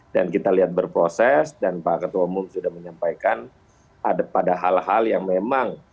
dan kita lihat berproses dan pak ketua umum sudah menyampaikan pada hal hal yang memang